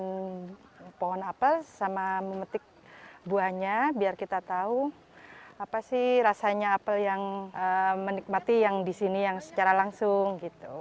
kita bisa memetik buah apel dan memetik buahnya biar kita tahu apa sih rasanya apel yang menikmati yang disini secara langsung